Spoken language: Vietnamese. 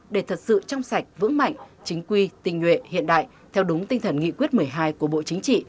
để thật sự trong sạch vững mạnh chính quy tình nguyện hiện đại theo đúng tinh thần nghị quyết một mươi hai của bộ chính trị